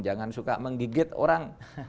jangan suka menggigit orang